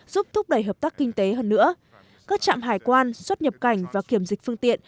giúp thúc đẩy hợp tác kinh tế hơn nữa các trạm hải quan xuất nhập cảnh và kiểm dịch phương tiện